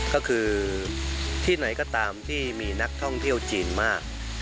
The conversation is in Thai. ก็คือที่ไหนก็ตามที่มีนักท่องเที่ยวจีนมาก